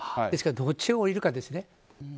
ですからどっちが下りるかですよね。